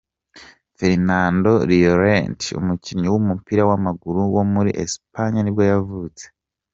Fernando Llorente, umukinnyi w’umupira w’amaguru wo muri Espagne nibwo yavutse.